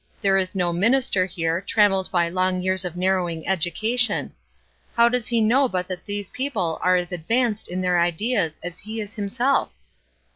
There is no minister here 'trammelled by long years of narrowing education.' How does he know but that these people are as 'advanced' in their ideas as he is himself?"